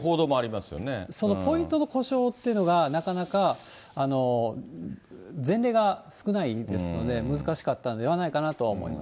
そのポイントの故障というのが、なかなか、前例が少ないですので、難しかったんではないかなと思います。